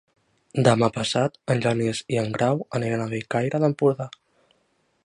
Demà passat en Genís i en Grau aniran a Bellcaire d'Empordà.